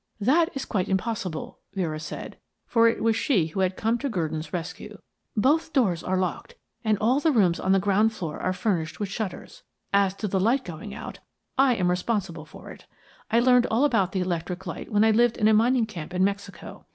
"That is quite impossible," Vera said, for it was she who had come to Gurdon's rescue. "Both doors are locked, and all the rooms on the ground floor are furnished with shutters. As to the light going out, I am responsible for it. I learned all about the electric light when I lived in a mining camp in Mexico.